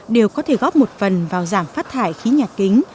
đều có thể góp một phần vào giảm phát thải khí nhà kính